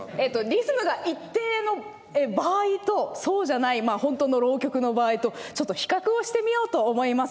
リズムが一定の場合とそうじゃない本当の浪曲の場合とちょっと比較をしてみようと思います。